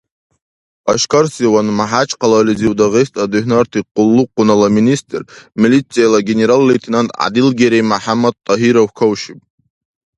Ашкарсиван, МяхӀячкъалализив Дагъиста духӀнарти къуллукъунала министр, милицияла генерал-лейтенант ГӀядилгерей МяхӀяммадтӀагьиров кавшиб.